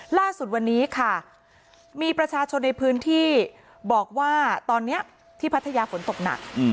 ล่าสุดวันนี้ค่ะมีประชาชนในพื้นที่บอกว่าตอนนี้ที่พัทยาฝนตกหนัก